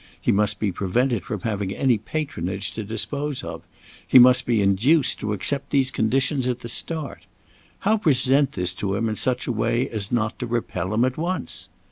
He must be prevented from having any patronage to dispose of. He must be induced to accept these conditions at the start. How present this to him in such a way as not to repel him at once?